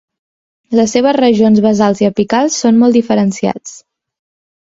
Les seves regions basals i apicals són molt diferenciats.